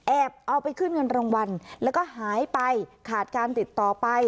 เอาไปขึ้นเงินรางวัลแล้วก็หายไปขาดการติดต่อไป